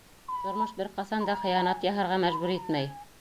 Тормош бер ҡасан да хыянат яһарға мәжбүр итмәй!